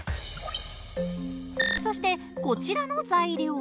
そしてこちらの材料。